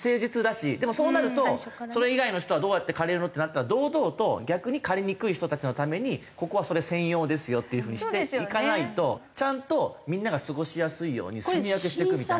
でもそうなるとそれ以外の人はどうやって借りるのってなったら堂々と逆に借りにくい人たちのためにここはそれ専用ですよっていう風にしていかないとちゃんとみんなが過ごしやすいようにすみ分けしていくみたいな。